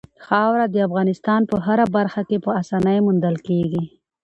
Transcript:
خاوره د افغانستان په هره برخه کې په اسانۍ موندل کېږي.